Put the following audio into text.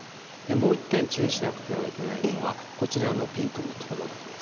もう１点注意しなくてはいけないのはこちらのピンクのところがあります。